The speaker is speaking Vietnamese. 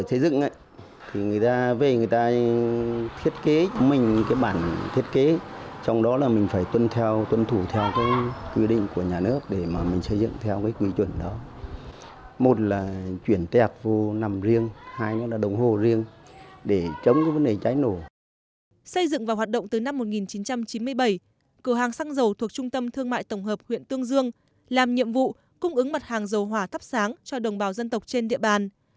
xây dựng và hoạt động từ năm một nghìn chín trăm chín mươi bảy cửa hàng xăng dầu thuộc trung tâm thương mại tổng hợp huyện tương dương làm nhiệm vụ cung ứng mặt hàng dầu hỏa thắp sáng cho đồng bào dân tộc trên địa bàn